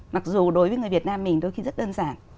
mặc dù đối với người việt nam mình đôi khi rất đơn giản